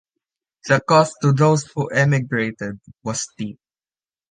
The cost to those who emigrated was steep.